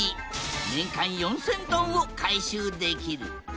年間４，０００トンを回収できる。